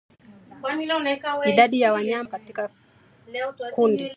Idadi ya Wanyama wanaoambukizwa katika kundi